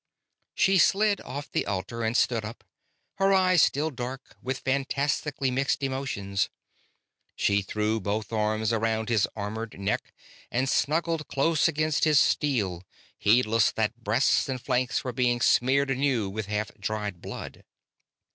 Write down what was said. She slid off the altar and stood up, her eyes still dark with fantastically mixed emotions. She threw both arms around his armored neck and snuggled close against his steel, heedless that breasts and flanks were being smeared anew with half dried blood.